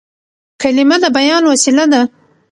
کلیمه د بیان وسیله ده.